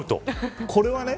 これはね。